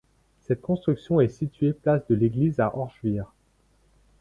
Cette construction est située place de l'Église à Orschwihr.